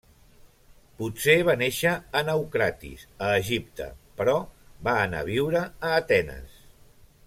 Potser va néixer a Naucratis a Egipte però va anar a viure a Atenes.